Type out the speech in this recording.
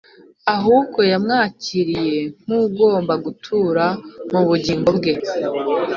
ahubwo yamwakiriye nk’ugomba gutura mu bugingo bwe